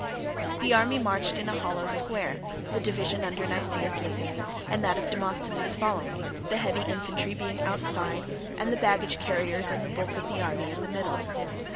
The army marched in a hollow square, the division under Nicias leading, and that of Demosthenes following, the heavy infantry being outside and the baggage carriers and the bulk of the army in the middle.